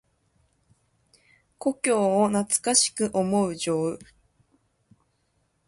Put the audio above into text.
故郷を懐かしく思う情。